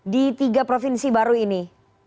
di tiga provinsi baru ini